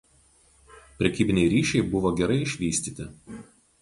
Prekybiniai ryšiai buvo gerai išvystyti.